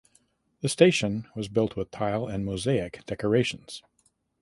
The station was built with tile and mosaic decorations.